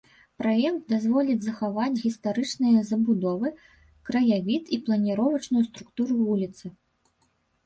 Праект дазволіць захаваць гістарычныя забудовы, краявід і планіровачную структуру вуліцы.